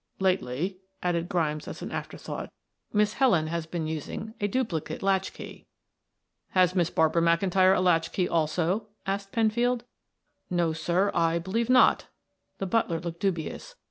Lately," added Grimes as an after thought, "Miss Helen has been using a duplicate latch key." "Has Miss Barbara McIntyre a latch key, also?" asked Penfield. "No, sir, I believe not," the butler looked dubious.